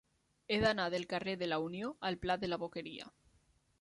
He d'anar del carrer de la Unió al pla de la Boqueria.